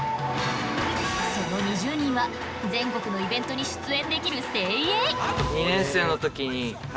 その２０人は全国のイベントに出演できる精鋭。